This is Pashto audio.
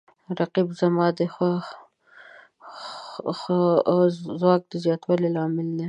رقیب زما د ځواک د زیاتوالي لامل دی